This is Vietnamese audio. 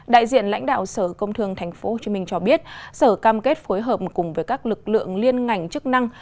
đại diện lãnh đạo sở công thương tp hcm cho biết sở cam kết phối hợp cùng với các lực lượng liên ngành chức năng